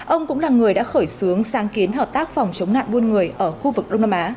ông cũng là người đã khởi xướng sáng kiến hợp tác phòng chống nạn buôn người ở khu vực đông nam á